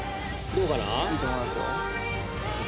いいと思いますよ。ＯＫ？